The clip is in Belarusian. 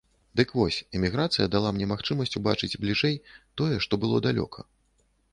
Дык вось, эміграцыя дала мне магчымасць убачыць бліжэй тое, што было далёка.